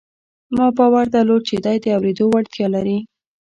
ما باور درلود چې دی د اورېدو وړتیا لري